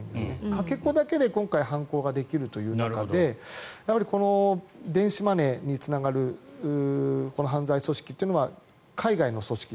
かけ子だけで今回、犯行ができるという中でやはり電子マネーにつながる犯罪組織というのは海外の組織